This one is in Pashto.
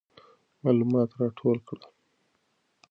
معلومات راټول کړه.